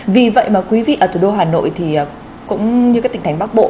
vì vậy mà quý vị ở thủ đô hà nội thì cũng như các tỉnh thành bắc bộ